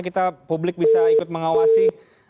kita publik bisa ikut mengawasi